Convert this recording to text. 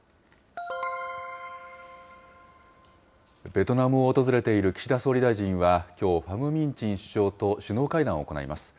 ベトナムを訪れている岸田総理大臣はきょう、ファム・ミン・チン首相と首脳会談を行います。